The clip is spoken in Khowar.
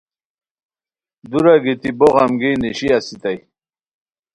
دورا گیتی بوغمگین نیشی اسیتائے